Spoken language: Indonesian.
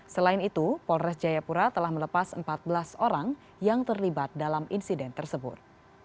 selain itu polres jayapura telah melepas empat belas orang yang terlibat dalam insiden tersebut